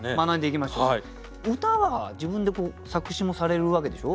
歌は自分で作詞もされるわけでしょ？